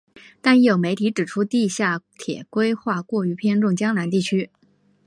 但亦有媒体指出地下铁规划过于偏重江南地区。